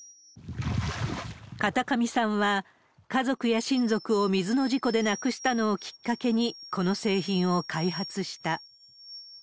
片上さんは、家族や親族を水の事故で亡くしたのをきっかけに、この製品を開発した。